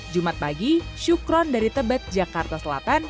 jumat pagi syukron dari tebet jakarta selatan